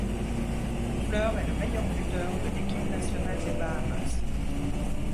Fleur est le meilleur buteur de l'équipe nationale des Bahamas.